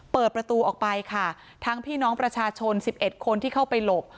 เปิดประตูออกไปค่ะทั้งพี่น้องประชาชน๑๑คนที่เข้าไปหลบ